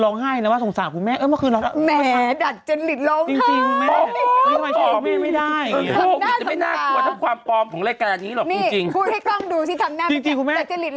จริงพูดให้กล้องดูที่ทำหน้าหนุ่มอาจจะหลีดพอ